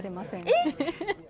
えっ！